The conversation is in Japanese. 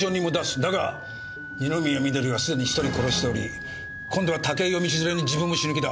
だが二宮緑はすでに１人殺しており今度は武井を道連れに自分も死ぬ気だ。